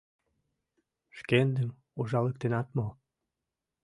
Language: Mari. Шкендым ужалыктенат мо?